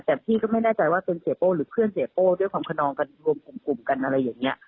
แต่พี่ก็ไม่แน่ใจว่าเป็นเสียโป้หรือเพื่อนเสียโป้ด้วยความขนองกันรวมกลุ่มกันอะไรอย่างนี้